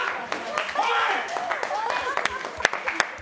おい！